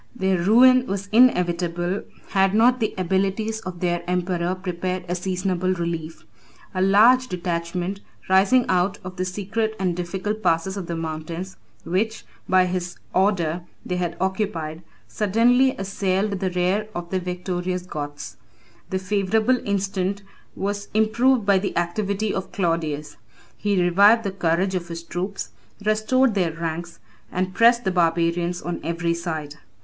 Their ruin was inevitable, had not the abilities of their emperor prepared a seasonable relief. A large detachment, rising out of the secret and difficult passes of the mountains, which, by his order, they had occupied, suddenly assailed the rear of the victorious Goths. The favorable instant was improved by the activity of Claudius. He revived the courage of his troops, restored their ranks, and pressed the barbarians on every side.